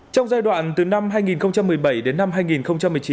trong giai đoạn từ năm hai nghìn một mươi bảy đến năm hai nghìn một mươi chín